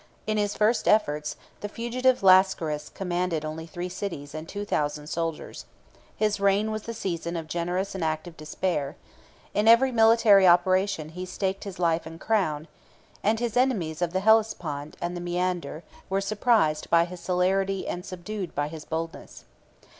In his first efforts, the fugitive Lascaris commanded only three cities and two thousand soldiers: his reign was the season of generous and active despair: in every military operation he staked his life and crown; and his enemies of the Hellespont and the Mæander, were surprised by his celerity and subdued by his boldness.